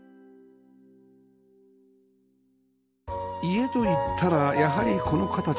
家といったらやはりこの形